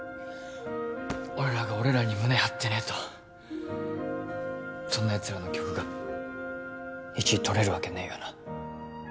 俺らが俺らに胸張ってねえとそんなやつらの曲が１位とれるわけねえよな